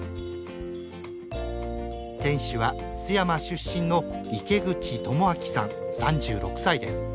店主は津山出身の池口朝章さん３６歳です。